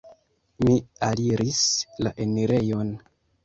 Mi aliris la enirejon.